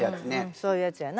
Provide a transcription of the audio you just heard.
そういうやつやな。